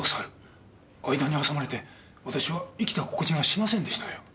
間に挟まれて私は生きた心地がしませんでしたよ。